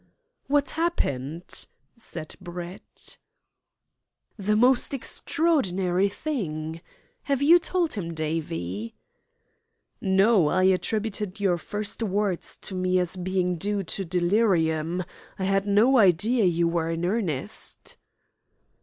"What happened?" said Brett. "The most extraordinary thing. Have you told him, Davie?" "No, I attributed your first words to me as being due to delirium. I had no idea you were in earnest."